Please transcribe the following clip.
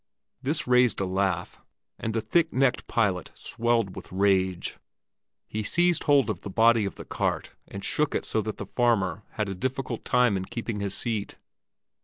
This raised a laugh, and the thick necked pilot swelled with rage. He seized hold of the body of the cart and shook it so that the farmer had a difficulty in keeping his seat.